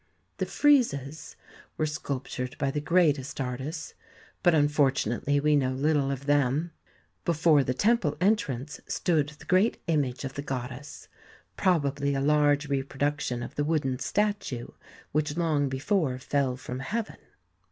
The friezes were sculptured by the greatest artists, but unfortunately we know little of them. Before the temple entrance stood the great image of the goddess, probably a large reproduction of the wooden statue which long before fell from heaven.